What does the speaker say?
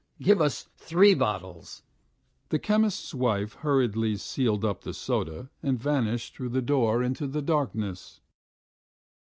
Give us three bottles!" The chemist's wife hurriedly sealed up the soda and vanished through the door into the darkness.